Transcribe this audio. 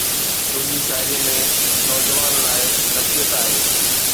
تنهنجي شاعريءَ ۾ نوجوانن لاءِ نصيحت آهي